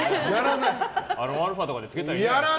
アロンアルファとかでつけたら。